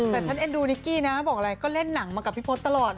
แต่ฉันเอ็นดูนิกกี้นะบอกอะไรก็เล่นหนังมากับพี่พศตลอด